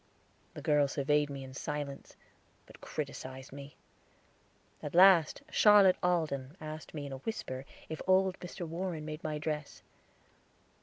The girls surveyed me in silence; but criticised me. At last Charlotte Alden asked me in a whisper if old Mr. Warren made my dress.